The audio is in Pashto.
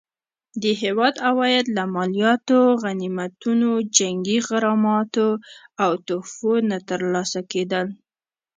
د هیواد عواید له مالیاتو، غنیمتونو، جنګي غراماتو او تحفو نه ترلاسه کېدل.